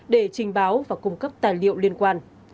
để trình báo và cung cấp tài liệu liên quan